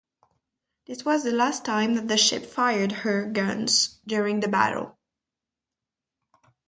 This was the last time that the ship fired her guns during the battle.